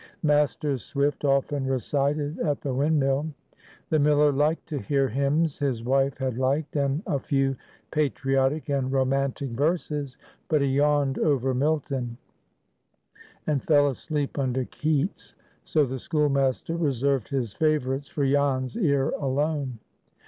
Master Swift often recited at the windmill. The miller liked to hear hymns his wife had liked, and a few patriotic and romantic verses; but he yawned over Milton, and fell asleep under Keats, so the schoolmaster reserved his favorites for Jan's ear alone.